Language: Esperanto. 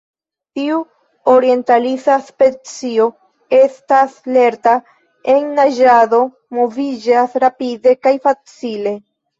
Tiu orientalisa specio estas lerta en naĝado, moviĝas rapide kaj facile.